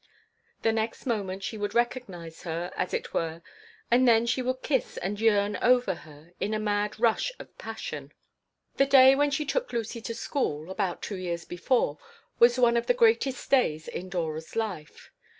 The next moment she would recognize her, as it were, and then she would kiss and yearn over her in a mad rush of passion The day when she took Lucy to school about two years before was one of the greatest days in Dora's life.